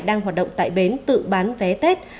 đang hoạt động tại bến tự bán vé tết